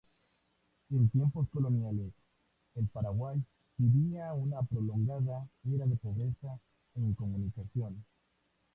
En tiempos coloniales, el Paraguay vivía una prolongada era de pobreza e incomunicación.